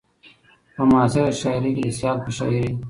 په معاصره شاعرۍ کې د سيال په شاعرۍ